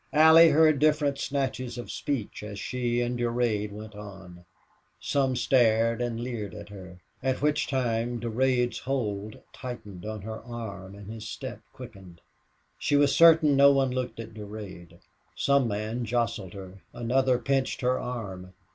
Allie heard different snatches of speech as she and Durade went on. Some stared and leered at her, at which times Durade's hold tightened on her arm and his step quickened. She was certain no one looked at Durade. Some man jostled her, another pinched her arm.